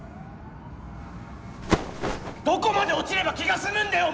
どこまで落ちれば気が済むんだよ